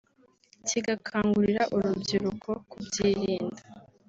kigakangurira urubyiruko kubyirinda